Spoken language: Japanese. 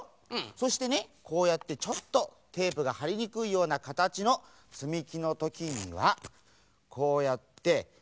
そしてねこうやってちょっとテープがはりにくいようなかたちのつみきのときにはこうやってテープをまるくしてぺったん